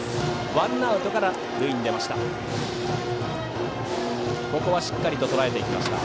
ワンアウトから塁に出ました。